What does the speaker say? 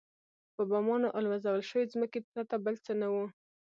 په بمانو الوزول شوې ځمکې پرته بل څه نه وو.